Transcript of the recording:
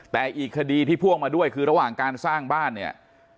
แต่อีกคดีที่พ่วงมาด้วยคือระหว่างการสร้างบ้านเนี่ย